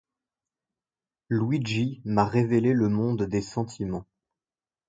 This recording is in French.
Luigi m’a révélé le monde des sentiments.